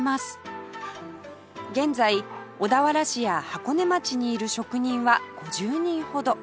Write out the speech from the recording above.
現在小田原市や箱根町などにいる職人はおよそ５０人